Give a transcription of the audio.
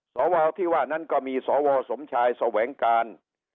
สวที่ว่านั้นก็มีสวสมชายแสวงการ